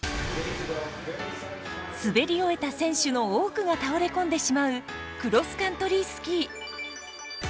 滑り終えた選手の多くが倒れ込んでしまうクロスカントリースキー。